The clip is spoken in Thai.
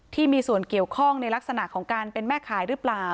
ที่มีส่วนเกี่ยวข้องในลักษณะของการเป็นแม่ขายหรือเปล่า